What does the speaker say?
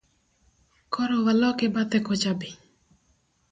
Koro waloki bathe kocha be?